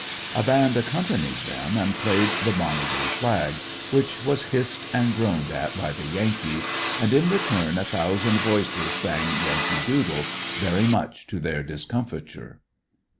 A band accompanied them and played the Bonnie Blue Flag, which was hissed and groan ed at by the Yankees, and in return a thousand voices sang Yankee Doodle, very much to their discomfiture.